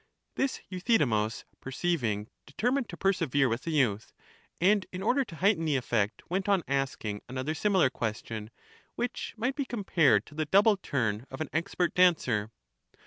This Euthydemus perceiving, determined to persevere with the youth; and in order to heighten the effect went on asking another similar question, which might be compared to the double turn of an expert dancer.